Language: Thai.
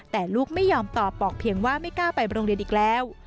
แต่ลูกไม่ยอมตอบบอกเพียงว่าไม่กล้าไปโรงเรียนอีกแล้ว